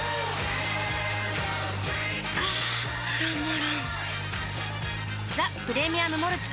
あたまらんっ「ザ・プレミアム・モルツ」